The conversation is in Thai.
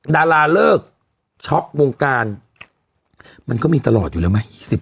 ดาราเลิกช็อกวงการมันก็มีตลอดอยู่แล้วไหม